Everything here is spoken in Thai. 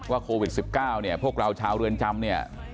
ว่าโควิด๑๙พวกเราชาวเรือนจำ